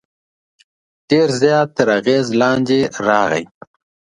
ډېر زیات تر اغېز لاندې راغی.